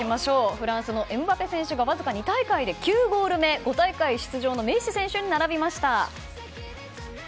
フランスのエムバペ選手がゴール数で５大会出場のメッシ選手に並びました。